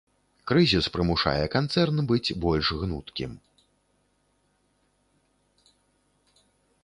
Крызіс прымушае канцэрн быць больш гнуткім.